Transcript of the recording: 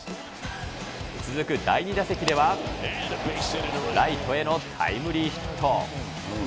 続く第２打席では、ライトへのタイムリーヒット。